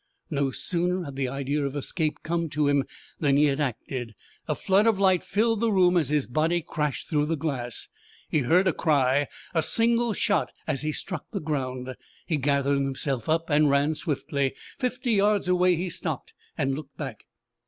No sooner had the idea of escape come to him than he had acted. A flood of light filled the room as his body crashed through the glass. He heard a cry a single shot as he struck the ground. He gathered himself up and ran swiftly. Fifty yards away he stopped, and looked back.